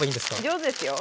上手ですよ。